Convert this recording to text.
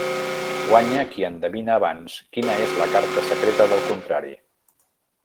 Guanya qui endevina abans quina és la carta secreta del contrari.